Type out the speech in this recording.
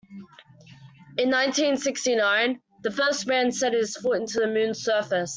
In nineteen-sixty-nine the first man set his foot onto the moon's surface.